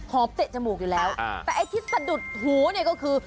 เตะจมูกอยู่แล้วแต่ไอ้ที่สะดุดหูเนี่ยก็คือ